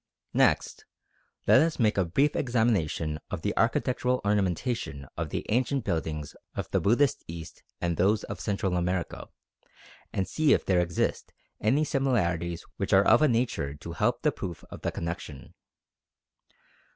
Next, let us make a brief examination of the architectural ornamentation of the ancient buildings of the Buddhist East and those of Central America, and see if there exist any similarities which are of a nature to help the proof of the connection.